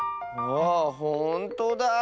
あほんとだ。